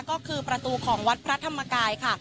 ก็คือประตูของวัดพระธรรมกายค่ะ